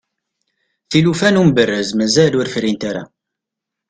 tilufa n umberrez mazal ur frint ara